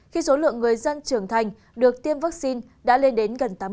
khi số lượng người dân trưởng thành được tiêm vaccine đã lên đến gần tám mươi